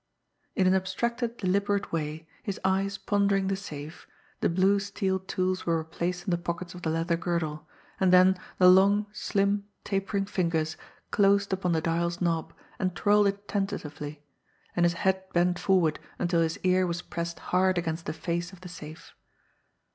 In an abstracted, deliberate way, his eyes pondering the safe, the blue steel tools were replaced in the pockets of the leather girdle; and then the long, slim, tapering fingers closed upon the dial's knob and twirled it tentatively, and his head bent forward until his ear was pressed hard against the face of the safe.